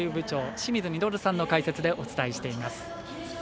清水稔さんの解説でお伝えしています。